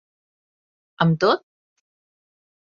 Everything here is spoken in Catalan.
Amb tot?